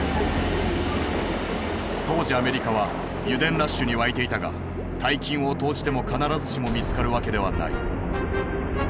当時アメリカは油田ラッシュに沸いていたが大金を投じても必ずしも見つかるわけではない。